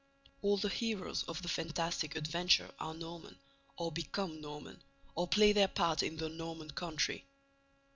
All the heroes of the fantastic adventure are Norman, or become Norman, or play their part in the Norman country.